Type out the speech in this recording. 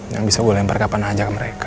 yang bisa gue lempar kapan aja ke mereka